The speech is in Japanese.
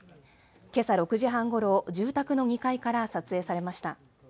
けさ６時半ごろ、住宅の２階から撮影されました。